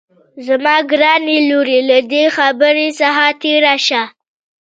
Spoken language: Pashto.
زما ګرانې لورې له دې خبرې څخه تېره شه